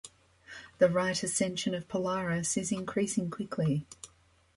The right ascension of Polaris is increasing quickly.